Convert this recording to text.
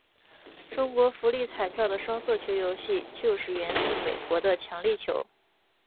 中国福利彩票的双色球游戏就是源自美国的强力球。